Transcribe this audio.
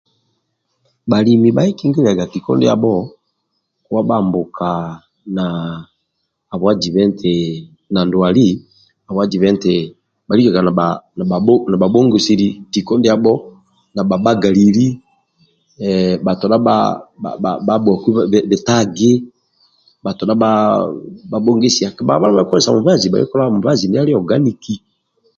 Bhalimi bakikingiliaga tiko ndiabho kowa bhambuka na abwa jiba nti na ndwali habwa jiba nti bhakilikaga nibha bhongisili tiko ndiabho nabha bhagalili batodha bha bhabhuaku bitagi batodha babhongisia kabhabha nibhakikozesaga bhakikozesaga mubazi ndia ali oganiki